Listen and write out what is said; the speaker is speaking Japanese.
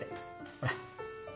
ほら。